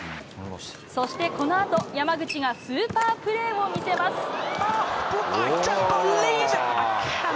そして、このあと山口がスーパープレーを見せます。